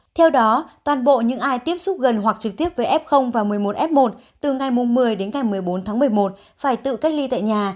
theo đó toàn bộ những ai tiếp xúc gần hoặc trực tiếp với f và một mươi một f một từ ngày một mươi đến ngày một mươi bốn tháng một mươi một phải tự cách ly tại nhà